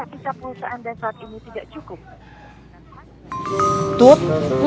tut pulsa anda tidak mencukupi untuk melakukan panggilan